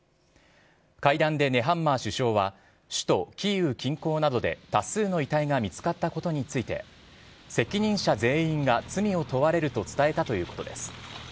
会談でネハンマー首相は首都キーウ近郊などで多数の遺体が見つかったことについて、責任者全員が罪を問われると伝えたということです。